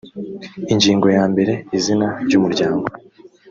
ingingo ya mbere izina ry umuryango